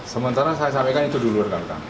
sementara saya sampaikan itu dulu rekan rekan